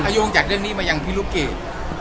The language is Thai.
โย่งจากเรื่องนี้มายังพี่ลูกเกด